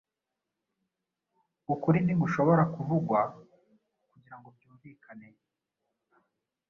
Ukuri ntigushobora kuvugwa kugirango byumvikane